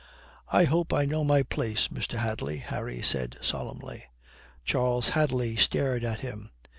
"I hope I know my place, Mr. Hadley," Harry said solemnly. Charles Hadley stared at him.